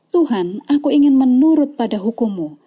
tuhan aku ingin menurut pada hukumu